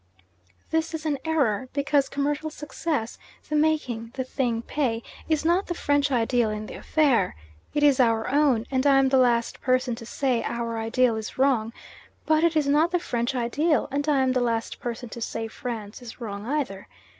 This is an error, because commercial success the making the thing pay is not the French ideal in the affair. It is our own, and I am the last person to say our ideal is wrong; but it is not the French ideal, and I am the last person to say France is wrong either.